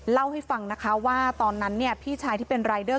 เล่าให้ฟังนะคะว่าตอนนั้นเนี่ยพี่ชายที่เป็นรายเดอร์